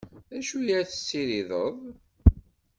D acu i ad tessirideḍ?